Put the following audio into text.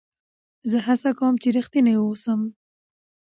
زه هڅه کوم، چي رښتینی واوسم.